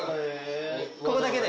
ここだけで。